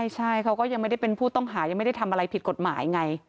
ใช่เขาก็ยังไม่ได้เป็นผู้ต้องหายังไม่ได้ทำอะไรผิดกฎหมายไง